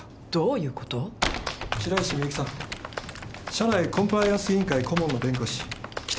社内コンプライアンス委員会顧問の弁護士北堀です。